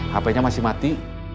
hpnya masih mati